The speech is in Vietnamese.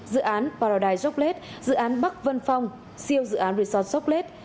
dự án paradise joglet dự án bắc vân phong siêu dự án resort joglet